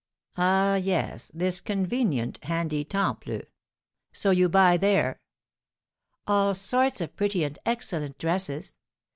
"Ah, yes, this convenient, handy Temple! So you buy there?" "All sorts of pretty and excellent dresses.